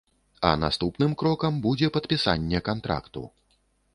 А наступным крокам будзе падпісанне кантракту.